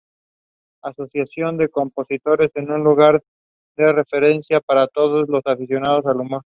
Asociación de Compositores es un lugar de referencia para todos los aficionados al humor.